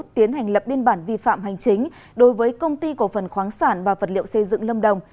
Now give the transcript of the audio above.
tiến hành lập biên bản vi phạm hành chính đối với công ty cổ phần khoáng sản và vật liệu xây dựng lâm đồng